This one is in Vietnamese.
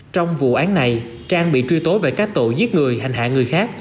trong vụ án này trang bị truy tố về các tội giết người hành hạ người khác